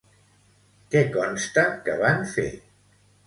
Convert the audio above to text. Què consta que van fer?